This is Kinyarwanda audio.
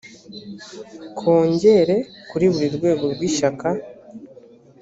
kongere kuri buri rwego rw ishyaka